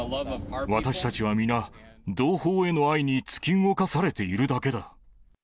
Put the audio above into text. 私たちは皆、同胞への愛に突き動かされているだけだ。